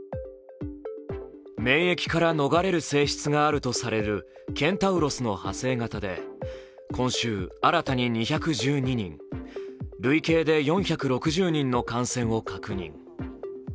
免疫から逃れる性質があるとされるケンタウロスの派生型で今週、新たに２１２人、累計で４６０人の感染を確認。